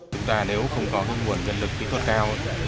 chúng ta nếu không có nguồn nhân lực kỹ thuật cao